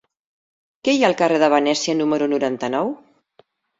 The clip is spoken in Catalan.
Què hi ha al carrer de Venècia número noranta-nou?